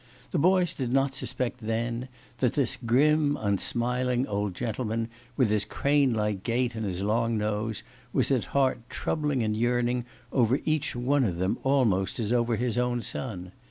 The boys did not suspect then that this grim, unsmiling old gentleman, with his crane like gait and his long nose, was at heart troubling and yearning over each one of them almost as over his own son.